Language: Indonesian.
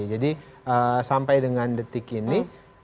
jadi sampai dengan detik ini